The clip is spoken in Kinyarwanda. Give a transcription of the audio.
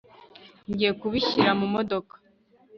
ngiye kubishyira mumodoka